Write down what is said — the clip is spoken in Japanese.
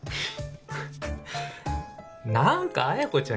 何か彩子ちゃん